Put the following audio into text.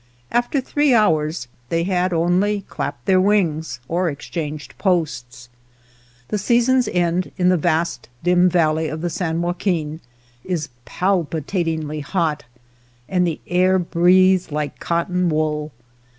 After three hours they had only clapped their wings, or ex changed posts. The season's end in the vast dim valley of the San Joaquin is pal pitatingly hot, and the air breathes like cotton wool.